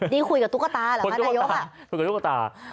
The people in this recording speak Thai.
นี้คุยกับตุ๊กตาเหรอละปุ๊ชหน้ายก